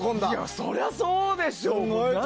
そりゃそうでしょう。